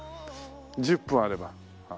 １０分あれば。